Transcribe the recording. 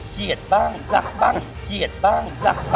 เกลียดบ้างกักบ้าง